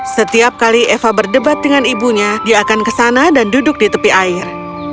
setiap kali eva berdebat dengan ibunya dia akan kesana dan duduk di tepi air